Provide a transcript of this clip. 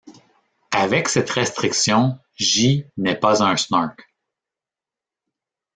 Avec cette restriction, J n'est pas un snark.